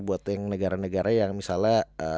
buat yang negara negara yang misalnya